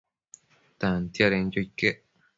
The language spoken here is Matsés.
Tantiadenquio iquec